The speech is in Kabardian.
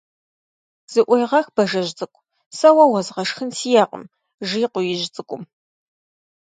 Зыӏуегъэх, Бажэжь цӏыкӏу, сэ уэ уэзгъэшхын сиӏэкъым, - жи Къуиижь Цӏыкӏум.